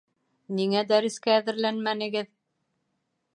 Ниңә дәрескә әҙерләнмәнегеҙ?